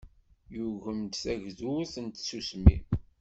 Yugem-d tagdurt n tsusmi.